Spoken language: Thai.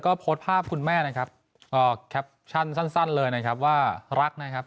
ก็โพสต์ภาพคุณแม่แคปชั่นสั้นเลยนะครับ